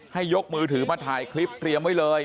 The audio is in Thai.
ให้ยกมือถือมาถ่ายคลิปเตรียมไว้เลย